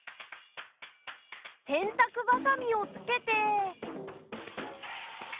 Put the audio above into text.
せんたくばさみをつけて。